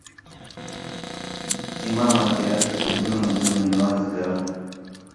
گھین٘راں (اِماماں) کِریا ݜتُک ژُن٘ن٘ڑوں ژُن٘ن٘ڑوں نِوان٘ز کرؤں